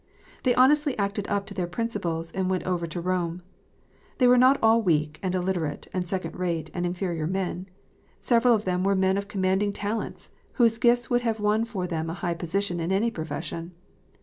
They honestly acted up to their principles, and went over to Rome. They were not all weak, and illiterate, and second rate, and inferior men ; several of them were men of commanding talents, whose gifts would have won for them a high position in any profession.